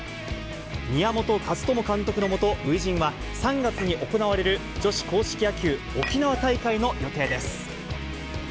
宮本和知監督の下、初陣は３月に行われる女子硬式野球沖縄大会の予定です。